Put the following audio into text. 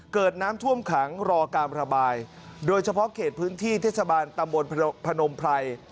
เกิดน้ำท่วมขังรอการระบายโดยเฉพาะเขตพื้นที่เทศบาลตำบลพนมไพร